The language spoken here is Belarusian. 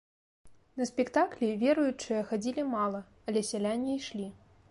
На спектаклі веруючыя хадзілі мала, але сяляне ішлі.